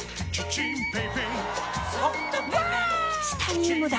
チタニウムだ！